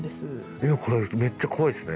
いやこれめっちゃ怖いっすね。